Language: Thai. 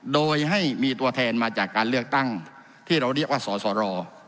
โดยให้มีตัวแทนมาจากการเลือกตั้งที่เราเรียกว่าสสร